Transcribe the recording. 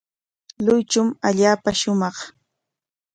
Luychum allaapa shumaq.